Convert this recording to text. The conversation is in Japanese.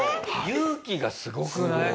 勇気がすごくない？